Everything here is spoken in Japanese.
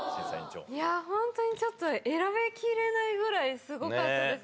いやぁ、本当にちょっと選びきれないぐらいすごかったです。